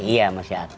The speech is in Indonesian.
iya masih aktif